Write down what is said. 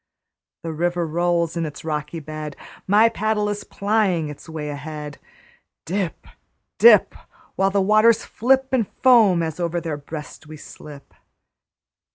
The river rolls in its rocky bed; My paddle is plying its way ahead; Dip, dip, While the waters flip In foam as over their breast we slip.